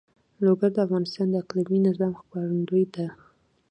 لوگر د افغانستان د اقلیمي نظام ښکارندوی ده.